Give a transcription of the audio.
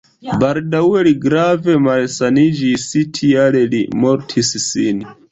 Baldaŭe li grave malsaniĝis, tial li mortis sin.